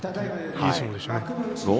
いい相撲でした。